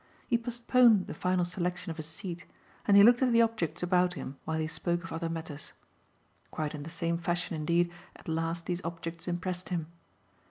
He postponed the final selection of a seat and he looked at the objects about him while he spoke of other matters. Quite in the same fashion indeed at last these objects impressed him.